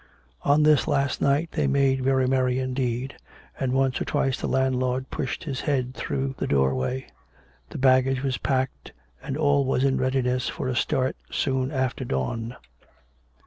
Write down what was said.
On this last night they made very merry indeed, and once or twice the landlord pushed his head through the doorway. The baggage was packed, and all was in readi ness for a start soon after dawn.